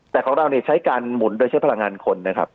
แต่ของเราใช้การหมุนโดยใช้พลังงานคนนะครับ